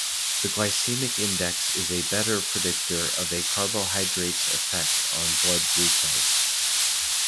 The glycemic index is a better predictor of a carbohydrate's effect on blood glucose.